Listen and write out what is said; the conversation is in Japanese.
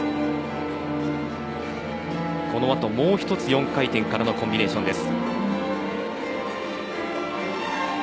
この後、もう一つ４回転からのコンビネーションです。